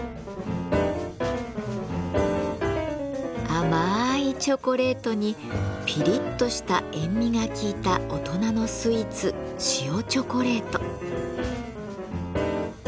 甘いチョコレートにピリッとした塩味が効いた大人のスイーツ「塩チョコレート」。